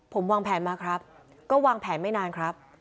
ผมวางแผนมาครับก็วางแผนไม่นานครับ